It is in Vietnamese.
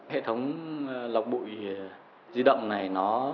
hệ thống lọc bụi di động này